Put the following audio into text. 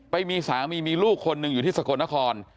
ไปมีสามีมีลูกคนหนึ่งอยู่ที่สกลนคร